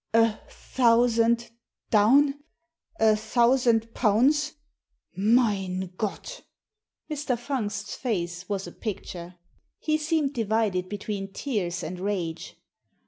"A — thousand — down ! A — thousand — pounds ! Mein Gott!" Mr. Fungst's face was a picture. He seemed divided between tears and rage.